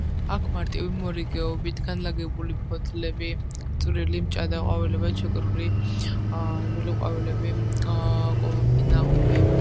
აქვთ მარტივი, მორიგეობით განლაგებული ფოთლები, წვრილი, მჭადა ყვავილებად შეკრებილი ყვავილები, კოლოფი ნაყოფი.